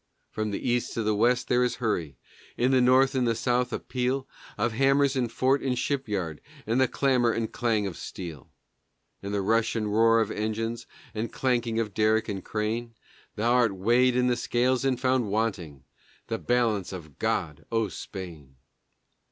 From the East to the West there is hurry; in the North and the South a peal Of hammers in fort and ship yard, and the clamor and clang of steel; And the rush and roar of engines, and clanking of derrick and crane, Thou art weighed in the scales and found wanting, the balance of God, O Spain!